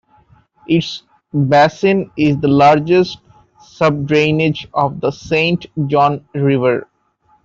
Its basin is the largest sub-drainage of the Saint John River.